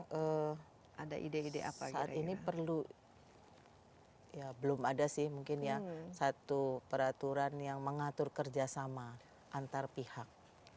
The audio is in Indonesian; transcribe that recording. saat ini belum ada sih mungkin ya satu peraturan yang mengatur kerjasama antar pihak